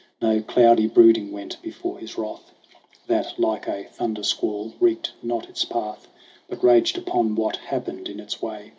No cloudy brooding went before his wrath That, like a thunder squall, recked not its path, But raged upon what happened in its way.